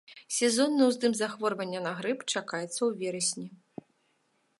Сезонны ўздым захворвання на грып чакаецца ў верасні.